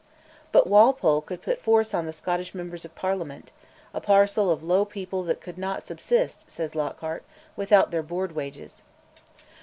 But Walpole could put force on the Scottish Members of Parliament, "a parcel of low people that could not subsist," says Lockhart, "without their board wages."